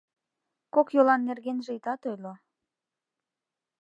Кок йолан нергенже итат ойло.